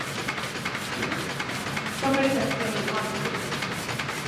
სოფელი დასახლებული იყო ანტიკური ხანიდან.